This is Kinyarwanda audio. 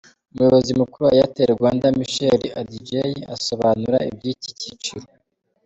Umuyobozi mukuru wa Airtel Rwanda, Micheal Adjei asobanura iby'iki cyiciro.